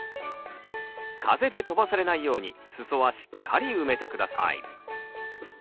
風で飛ばされないように裾はしっかり埋めて下さい。